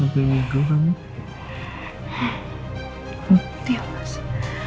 sampai pr televisi